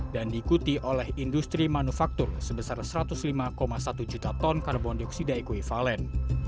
dan diikuti oleh industri manufaktur sebesar satu ratus lima satu juta ton karbon dioksida ekvivalen